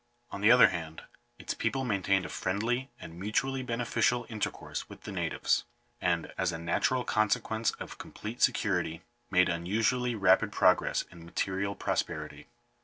On the other hand, its people maintained a friendly and mutually be neficial intercourse with the natives ; and, as a natural conse quence of complete security, made unusually rapid progress in material prosperity.